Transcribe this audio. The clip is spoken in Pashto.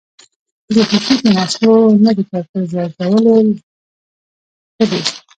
ـ د خوشې کېناستو نه د کرتو زدولو ښه دي.